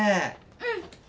うん。